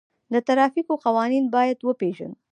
د ترافیکو قوانین باید وپیژنو.